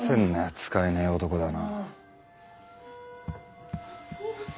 使えない男だな。